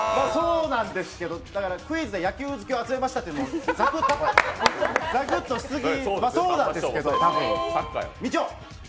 そうなんですけど、クイズで野球好きを集めましたというのは、ざくっとしすぎ。